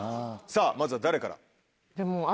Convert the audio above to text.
さぁまずは誰から？